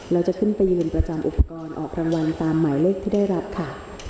แล้วจะขึ้นไปยืนประจำอุปกรณ์ออกรางวัลตามหมายเลขที่ได้รับค่ะ